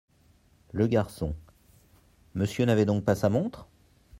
Le Garçon. — Monsieur n’avait donc pas sa montre ?